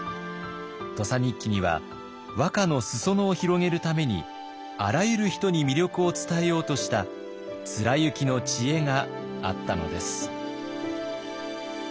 「土佐日記」には和歌の裾野を広げるためにあらゆる人に魅力を伝えようとした貫之の知恵があったのです。